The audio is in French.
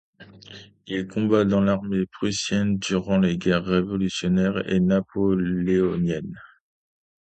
Il combat dans l'armée prussienne durant les guerres révolutionnaires et napoléoniennes.